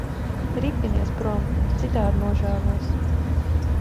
Ripinies prom, citādi nožēlosi.